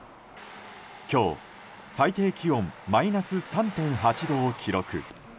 今日、最低気温マイナス３．８度を記録。